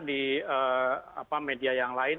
di media yang lain